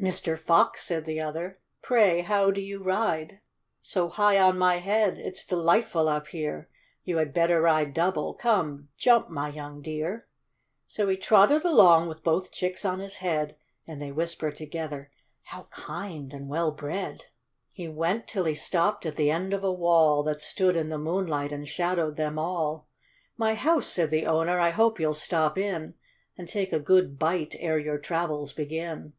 "Mr. Box," said the other: "Pray, how do you ride So high on my head ?"" It's delightful up here." "You had better ride double. Come, jump, my young dear." So he trotted along with both chicks on his head, And they whispered together, "How kind, and well bred !" 4 50 THE DISOBEDIENT CHICKS. Jle went, till he stopped at the end of a wall, That stood in the moonlight, and shadowed them all. "My house," said the owner: "I hope you'll stop in, And take a good bite ere your travels begin.